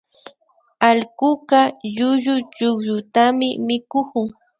Allkuka llullu chukllutami mikukun